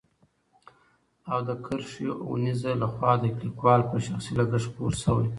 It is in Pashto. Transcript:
او د کرښه اوو نيزه له خوا د ليکوال په شخصي لګښت خپور شوی.